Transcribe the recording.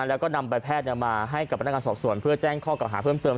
แล้วก็นำใบแพทย์มาให้กับพนักงานสอบส่วนเพื่อแจ้งข้อเก่าหาเพิ่มเติม